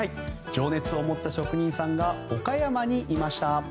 情熱を持った職人さんが岡山にいました。